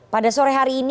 pada sore hari ini